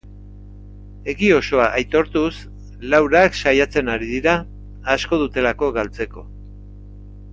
Egi osoa aitortuz, laurak saiatzen ari dira, asko dutelako galtzeko.